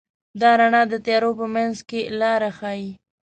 دا رڼا د تیارو په منځ کې لاره ښيي.